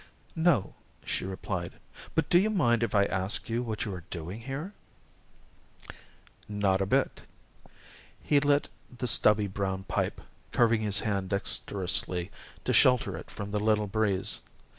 "No," she replied, "but do you mind if I ask you what you are doing here?" "Not a bit." He lit the stubby brown pipe, curving his hand dexterously to shelter it from the little breeze.